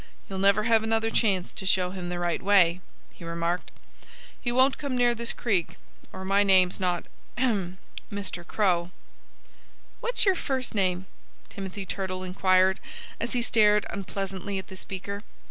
"You'll never have another chance to show him the right way," he remarked. "He won't come near this creek, or my name's not ahem Mr. Crow." "What's your first name?" Timothy Turtle inquired, as he stared unpleasantly at the speaker.